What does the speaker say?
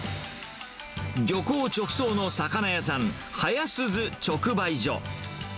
漁港直送の魚屋さん、早鈴直売所。